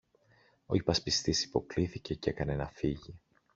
Ο υπασπιστής υποκλίθηκε κι έκανε να φύγει.